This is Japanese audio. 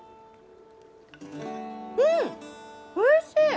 うんおいしい！